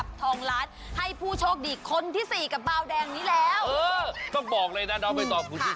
เบาแดงช่วยคนไทยสร้างอันชีพปี๒